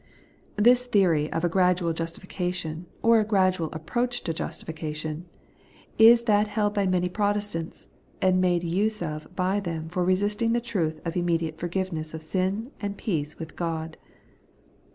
This theory of a gradual justi fication, or a gradual approach to justification, is that held by many Protestants, and made use of by them for resisting the truth of immediate for giveness of sin and peace with God.